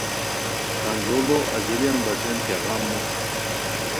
کھانجوڑو اژیلیان بچین کیا غم نو